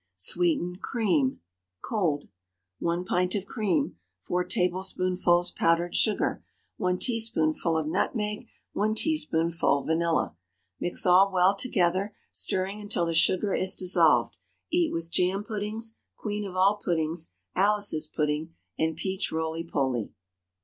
SWEETENED CREAM (cold.) 1 pint of cream. 4 tablespoonfuls powdered sugar. 1 teaspoonful of nutmeg. 1 teaspoonful vanilla. Mix all well together, stirring until the sugar is dissolved. Eat with jam puddings, queen of all puddings, Alice's pudding, and peach roley poley.